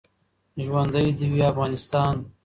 ژوندۍ د وی افغانستان